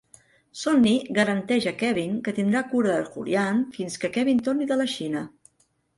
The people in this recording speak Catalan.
Sonny garanteix a Kevin que tindrà cura de Julian fins que Kevin torni de la Xina.